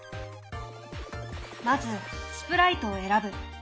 まずスプライトを選ぶ。